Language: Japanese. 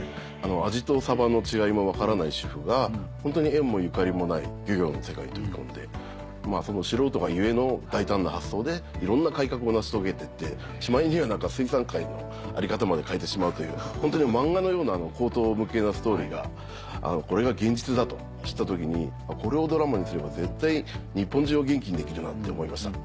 アジとサバの違いも分からない主婦がホントに縁もゆかりもない漁業の世界に飛び込んでその素人が故の大胆な発想でいろんな改革を成し遂げて行ってしまいには水産界の在り方まで変えてしまうというホントに漫画のような荒唐無稽なストーリーがこれが現実だと知った時にこれをドラマにすれば絶対に日本中を元気にできるなって思いました。